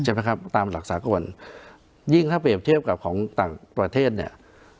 ครับตามหลักสากลยิ่งถ้าเปรียบเทียบกับของต่างประเทศเนี่ย